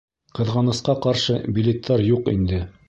Ҡыҙғанысҡа ҡаршы, билеттар юҡ инде